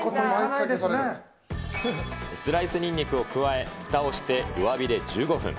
スライスにんにくを加え、ふたをして、弱火で１５分。